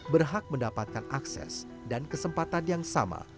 berhak mendapatkan akses dan kesempatan yang sama